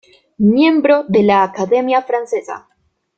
Miembro de la Academia francesa.